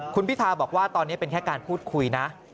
คุณพิธาบอกว่าตอนนี้เป็นแค่การพูดคุยนะ